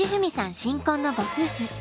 新婚のご夫婦。